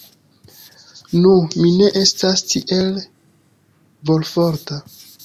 Nu, mi ne estas tiel volforta.